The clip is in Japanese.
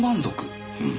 うん。